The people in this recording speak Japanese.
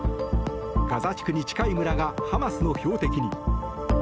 ガザ地区に近い村がハマスの標的に。